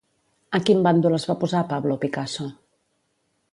En quin bàndol es va posar Pablo Picasso?